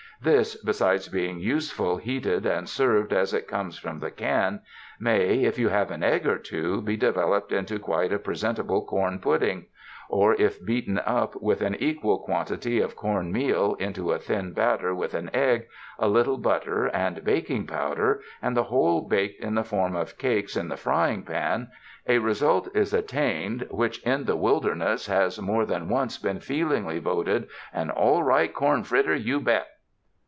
This, besides being useful heated and served as it comes from the can, may, if you have an egg or two, be developed into quite a pre sentable corn pudding; or if beaten up with an equal quantity of corn meal into a thin batter with an egg, a little butter and baking powder, and the whole baked in the form of cakes in the frying pan, a result is attained which in the wilderness has 292 CAMP COOKERY more than once been feelingly voted *'an all right corn fritter, you bet."